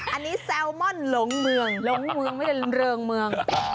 อันนี้แซลมอนหลงเมืองหลงเมืองไม่ได้เริงเมือง